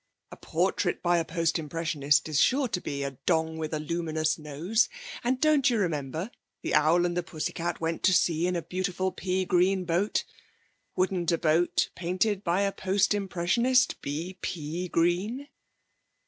A portrait by a post Impressionist is sure to be "A Dong with a luminous nose." And don't you remember, "The owl and the pussycat went to sea in a beautiful pea green boat"? Wouldn't a boat painted by a Post Impressionist be pea green?'